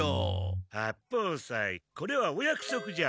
八方斎これはおやくそくじゃ。